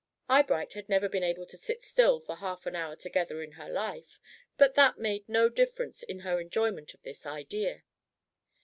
Eyebright had never been able to sit still for half an hour together in her life, but that made no difference in her enjoyment of this idea.